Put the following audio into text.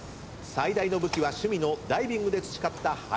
最大の武器は趣味のダイビングで培った肺活量です。